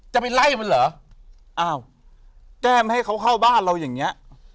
จะไปไล่มันเหรออ้าวแก้มให้เขาเข้าบ้านเราอย่างเงี้ย